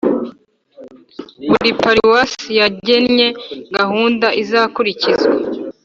buri paruwasi yagennye gahunda izakurikizwa